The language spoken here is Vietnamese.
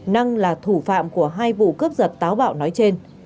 năng là thủ phạm của hai vụ cướp giật táo bạo nói trên